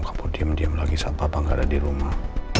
kabur diam diam lagi saat bapak gak ada di rumah